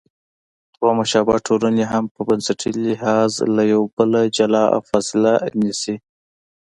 دوه مشابه ټولنې هم په بنسټي لحاظ له یو بله جلا او فاصله نیسي.